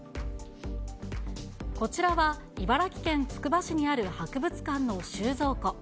こちらは茨城県つくば市にある博物館の収蔵庫。